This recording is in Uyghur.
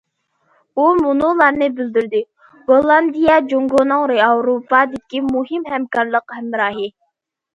ئۇ مۇنۇلارنى بىلدۈردى: گوللاندىيە جۇڭگونىڭ ياۋروپادىكى مۇھىم ھەمكارلىق ھەمراھى.